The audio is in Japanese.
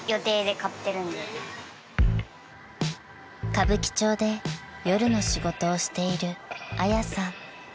［歌舞伎町で夜の仕事をしているあやさん］